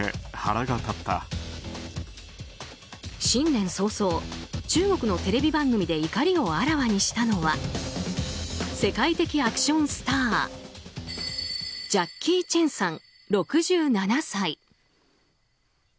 新年早々、中国のテレビ番組で怒りをあらわにしたのは世界的アクションスタージャッキー・チェンさん、６７歳。